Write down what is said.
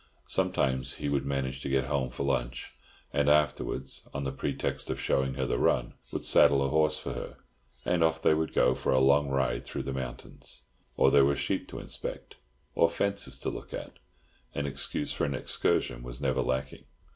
Sometimes he would manage to get home for lunch, and afterwards, on the pretext of showing her the run, would saddle a horse for her, and off they would go for a long ride through the mountains. Or there were sheep to inspect, or fences to look at—an excuse for an excursion was never lacking.